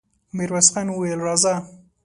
ميرويس خان وويل: راځه!